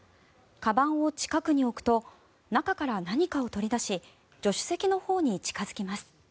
かばんを近くに置くと中から何かを取り出し助手席のほうに近付きます。